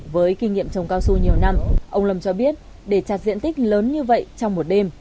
với kinh nghiệm trồng cao su nhiều năm ông lâm cho biết để chặt diện tích lớn như vậy trong một đêm